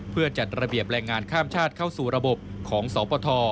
เพื่อจัดระเบียบแรงงานข้ามชาติเข้าสู่ระบบของสปท